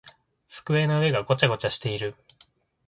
机の上がごちゃごちゃしている。